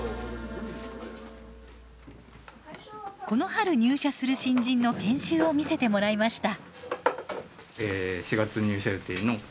この春入社する新人の研修を見せてもらいました。